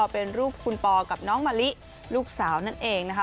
เป็นรูปคุณปอกับน้องมะลิลูกสาวนั่นเองนะคะ